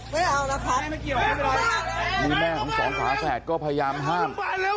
ไม่เอาล่ะครับแม่ของสองขวาแสดก็พยายามห้าม